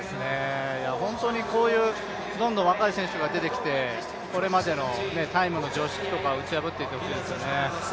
本当にこういうどんどん若い選手が出てきて、これまでのタイムの常識とかを打ち破ってってほしいですよね。